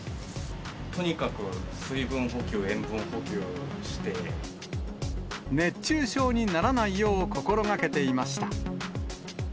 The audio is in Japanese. とにかく水分補給、熱中症にならないよう心がけていました。